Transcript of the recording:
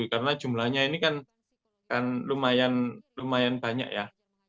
karena jumlahnya ini kan lumayan banyak ya